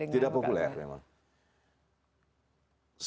tidak populer memang